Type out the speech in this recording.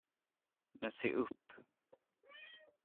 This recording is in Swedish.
Men se upp.